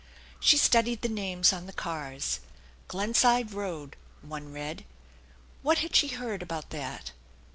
She studied the names on the cars. " Glenside Road " one read. What had she heard about that